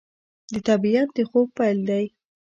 د طبیعت د خوب پیل دی